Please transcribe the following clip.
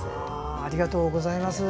ありがとうございます。